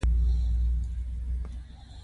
سړک د عصري ژوند نښه ده.